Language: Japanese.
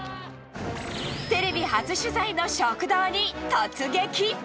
テレビ初取材の食堂に突撃！